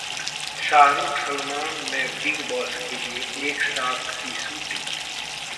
शाहरुख, सलमान ने 'Bigg Boss' के लिए एक साथ की शूटिंग